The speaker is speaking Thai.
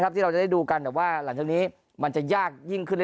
ที่เราจะได้ดูกันแต่ว่าหลังจากนี้มันจะยากยิ่งขึ้น